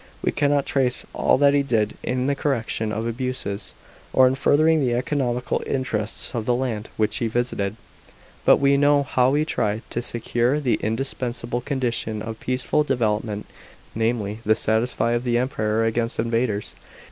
We cannot trace all that he did in the correction of abuses, or in furthering the economical interests of the lands which he visited. But we know how he tried to secure the indispensable condition of peaceful development, namely, the safety of the Empire against invaders.